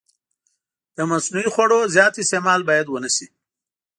د مصنوعي خوږو زیات استعمال باید ونه شي.